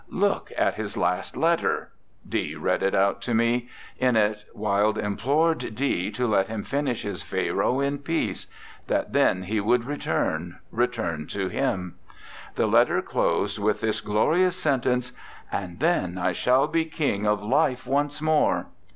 Look at his last letter. ..." D read it out to me. In it Wilde implored D to let him finish his Pharaoh in peace; that then he would return, return to him. The letter closed with this glorious sen tence "And then I shall be King of Life once more!"